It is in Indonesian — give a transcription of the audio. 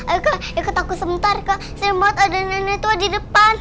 eh kak ikut aku sebentar kak seram banget ada nenek tua di depan